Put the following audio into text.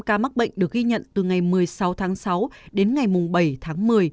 ba ca mắc bệnh được ghi nhận từ ngày một mươi sáu tháng sáu đến ngày bảy tháng một mươi